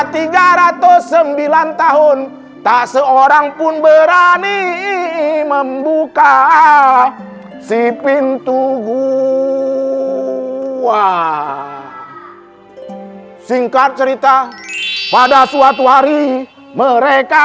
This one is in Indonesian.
tiga ratus sembilan tahun tak seorang pun berani membuka si pintuku wah singkat cerita pada suatu hari mereka